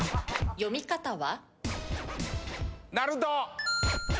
読み方は？